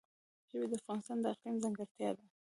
ژبې د افغانستان د اقلیم ځانګړتیا ده.